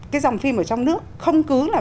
cái dòng phim ở trong nước không cứ là